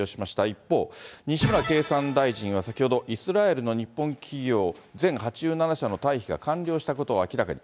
一方、西村経産大臣は先ほど、イスラエルの日本企業全８７社の退避が完了したことを明らかに。